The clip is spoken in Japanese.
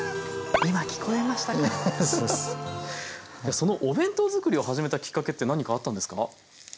そのお弁当作りを始めたきっかけって何かあったんですか？